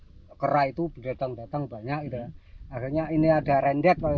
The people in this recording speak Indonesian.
ada akhirnya ini ada rendet rendet ya ini jaring jaring sudah pasangin ya jaring ini biar